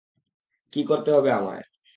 কী করতে হবে আমায়?